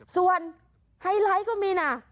ส่วนไฮไลท์ก็มีนะ